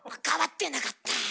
変わってなかった。